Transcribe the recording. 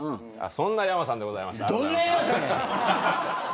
そんなｙａｍａさんでございました。